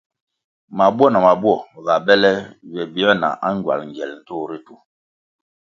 Mabwo na mabuo ga bele ywe bier na angywal ngiel ndtoh ritu.